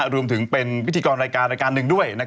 รวมถึงเป็นพิธีกรรายการ๑ด้วย